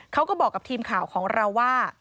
เขาก็บอกกับทีมข่าวของเราว่า